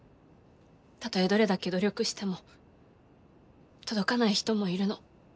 たとえどれだけ努力しても届かない人もいるの。